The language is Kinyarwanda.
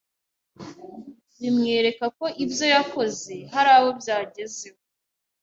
bimwereka ko ibyo yakoze hari abo byagezeho.